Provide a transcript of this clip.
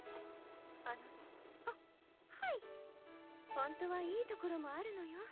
本当はいいところもあるのよ